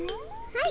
はい。